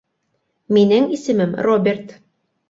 Минең исемем Роберт.